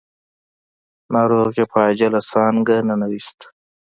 ناروغ يې په عاجله څانګه ننوېست.